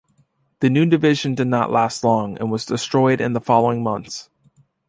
The new division did not last long and was destroyed in the following month.